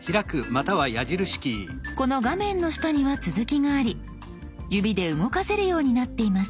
この画面の下には続きがあり指で動かせるようになっています。